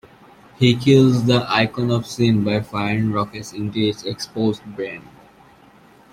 He kills the Icon of Sin by firing rockets into its exposed brain.